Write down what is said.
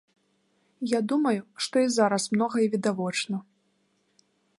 Я думаю, што і зараз многае відавочна.